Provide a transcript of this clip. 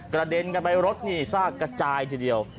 กระเด็นกันไปรถนี่ซากกระจายทีเดียว